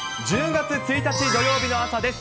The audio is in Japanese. １０月１日土曜日の朝です。